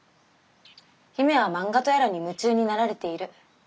姫は漫画とやらに夢中になられている。